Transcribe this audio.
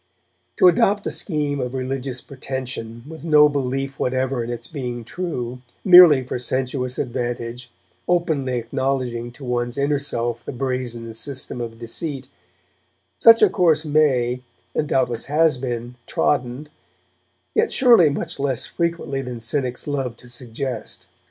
To adopt a scheme of religious pretension, with no belief whatever in its being true, merely for sensuous advantage, openly acknowledging to one's inner self the brazen system of deceit, such a course may, and doubtless has been, trodden, yet surely much less frequently than cynics love to suggest.